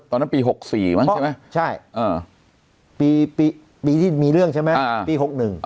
ตอนนั้นปี๖๔มั้งใช่ไหมใช่ปีที่มีเรื่องใช่ไหมปี๖๑